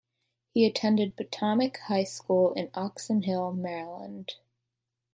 He attended Potomac High School in Oxon Hill, Maryland.